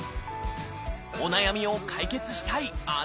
お悩みを解決したいあなた。